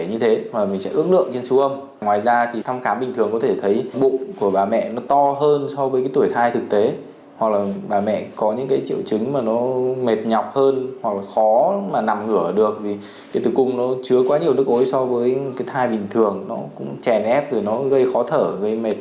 hãy đăng ký kênh để ủng hộ kênh của mình nhé